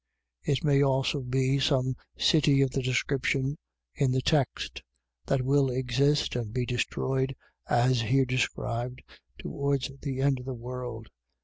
It may also be some city of the description in the text, that will exist, and be destroyed, as here described, towards the end of the world.